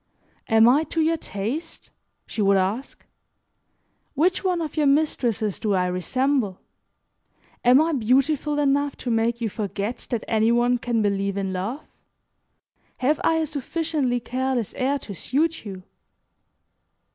"Am I to your taste?" she would ask. "Which one of your mistresses do I resemble? Am I beautiful enough to make you forget that any one can believe in love? Have I a sufficiently careless air to suit you?"